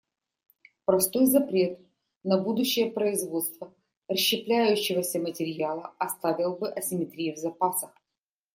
Простой запрет на будущее производство расщепляющегося материала оставил бы асимметрии в запасах.